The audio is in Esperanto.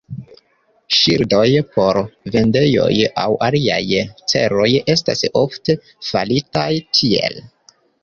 Ŝildoj por vendejoj aŭ aliaj celoj estas ofte faritaj tiel.